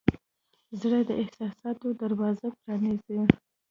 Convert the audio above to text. زړه د احساساتو دروازې پرانیزي.